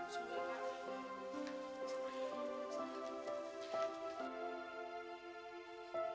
cepet cepet ya kak